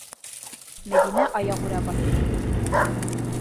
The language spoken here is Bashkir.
Мәҙинә аяғүрә баҫты: